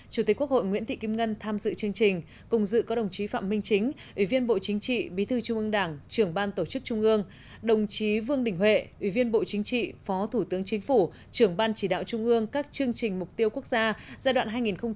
chủ tịch quốc hội nguyễn thị kim ngân tham dự chương trình cùng dự có đồng chí phạm minh chính ủy viên bộ chính trị bí thư trung ương đảng trưởng ban tổ chức trung ương đồng chí vương đình huệ ủy viên bộ chính trị phó thủ tướng chính phủ trưởng ban chỉ đạo trung ương các chương trình mục tiêu quốc gia giai đoạn hai nghìn một mươi sáu hai nghìn hai mươi